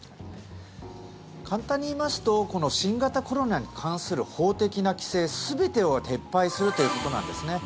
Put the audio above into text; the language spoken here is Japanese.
簡単に言いますとこの新型コロナに関する法的な規制全てを撤廃するということなんですね。